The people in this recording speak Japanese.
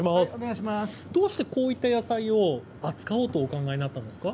どうしてこういった野菜を扱おうと、お考えになったんですか。